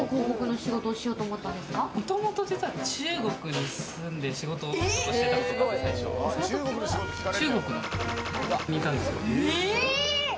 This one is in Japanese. もともと実は中国に住んで仕事をしてたことがあって、中国の○○にいたんですよ。